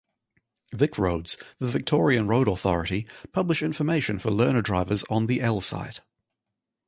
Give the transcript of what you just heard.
VicRoads, the Victorian road authority, publish information for learner drivers on the L-Site.